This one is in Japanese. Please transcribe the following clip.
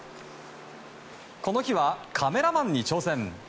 この日は、カメラマンに挑戦。